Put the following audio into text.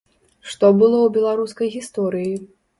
Што было ў беларускай гісторыі?